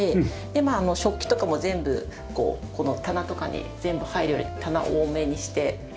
でまあ食器とかも全部この棚とかに全部入るように棚多めにして。